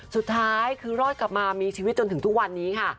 สุดท้ายคือรอดกลับมามีชีวิตจนถึงทุกวันนี้ค่ะ